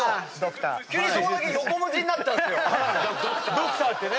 「ドクター」ってね。